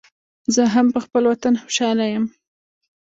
زه هم پخپل وطن خوشحال یم